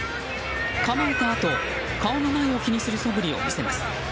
構えたあと、顔の前を気にする素振りを見せます。